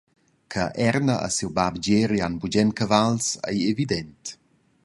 Che Erna e siu bab Gieri han bugen cavals ei evident.